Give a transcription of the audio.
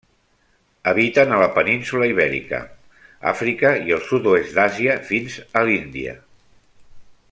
Habiten a la península Ibèrica, Àfrica i el sud-oest d'Àsia fins a l'Índia.